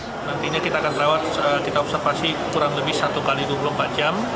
nantinya kita akan rawat kita observasi kurang lebih satu x dua puluh empat jam